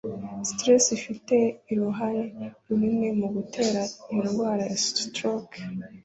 stress ifite uruhare runini mu gutera iyo ndwara ya stroke